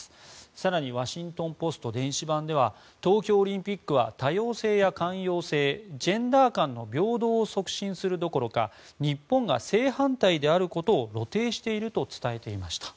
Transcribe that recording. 更にワシントン・ポスト電子版では東京オリンピックは多様性や寛容性ジェンダー間の平等を促進するどころか日本が正反対であることを露呈していると伝えていました。